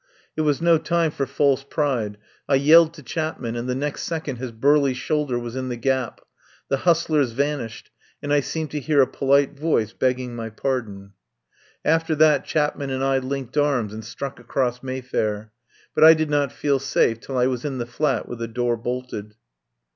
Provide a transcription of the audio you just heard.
It was no time for false pride. I yelled to Chapman and the next second his burly shoulder was in the gap. The hustlers van ished and I seemed to hear a polite voice beg ging my pardon. *55 THE POWER HOUSE After that Chapman and I linked arms and struck across Mayfair. But I did not feel safe till I was in the flat with the door bolted.